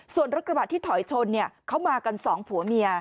ส่วนรักษบาทที่ถอยชนเขามากัน๒ผัวเมีย